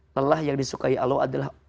lelah yang disukai allah adalah